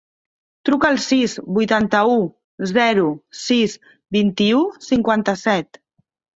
Truca al sis, vuitanta-u, zero, sis, vint-i-u, cinquanta-set.